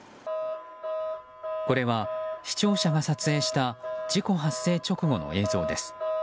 これは視聴者が撮影した事故発生直後の映像です。